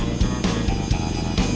iya yang banks nyelam sekarang